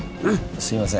すみません。